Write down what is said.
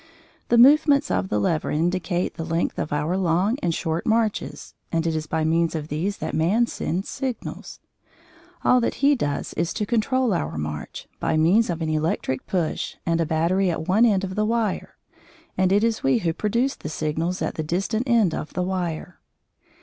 The movements of the lever indicate the length of our long and short marches, and it is by means of these that man sends signals. All that he does is to control our march, by means of an electric push and a battery at one end of the wire, and it is we who produce the signals at the distant end of the wire.